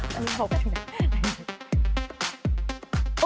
ต้องโทรไปถึงไหน